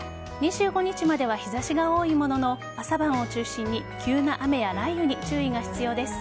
２５日までは日差しが多いものの朝晩を中心に急な雨や雷雨に注意が必要です。